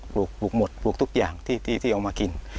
ปลูกหมดปลูกทุกอย่างที่เอามากิน